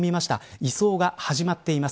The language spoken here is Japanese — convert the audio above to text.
移送が始まっています。